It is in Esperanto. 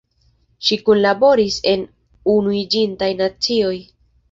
Ŝi kunlaboris en Unuiĝintaj Nacioj.